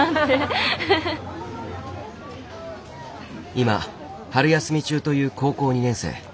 今春休み中という高校２年生。